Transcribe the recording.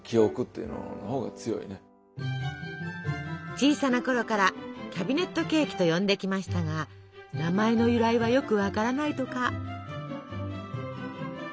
小さなころから「キャビネットケーキ」と呼んできましたが名前の由来はよくわからないとか。